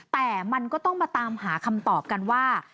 แต่มันก็ต้องมาตามหาคำตอบกันว่า